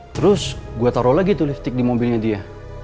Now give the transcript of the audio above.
terus gue taro lagi tuh listrik di mobilnya dia